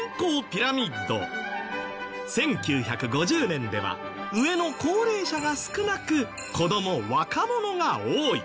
１９５０年では上の高齢者が少なく子ども若者が多い。